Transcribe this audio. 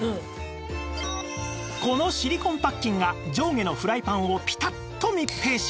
このシリコンパッキンが上下のフライパンをピタッと密閉し